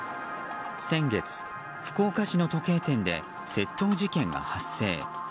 先月、福岡市の時計店で窃盗事件が発生。